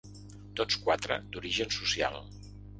Tots quatre d’origen social.